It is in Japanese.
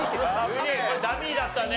これダミーだったね。